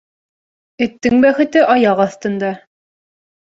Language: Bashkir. Эттең бәхете аяҡ аҫтында.